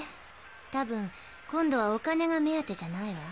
たぶん今度はお金が目当てじゃないわ。